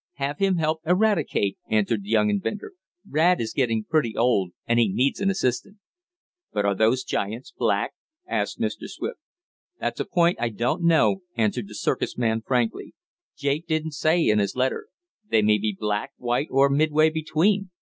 "Have him help Eradicate," answered the young inventor. "Rad is getting pretty old, and he needs an assistant." "But are these giants black?" asked Mr. Swift. "That's a point I don't know," answered the circus man frankly. "Jake didn't say in his letter. They may be black, white or midway between.